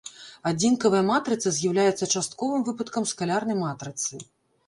Адзінкавая матрыца з'яўляецца частковым выпадкам скалярнай матрыцы.